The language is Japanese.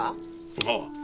ああ。